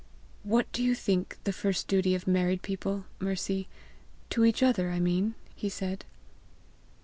"What do you think the first duty of married people, Mercy to each other, I mean," he said.